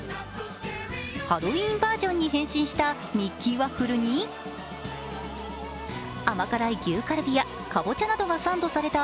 ハロウィーンバージョンに変身したミッキーワッフルに甘辛い牛カルビやかぼちゃなどがサンドされた